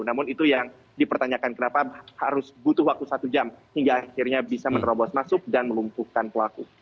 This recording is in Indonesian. namun itu yang dipertanyakan kenapa harus butuh waktu satu jam hingga akhirnya bisa menerobos masuk dan melumpuhkan pelaku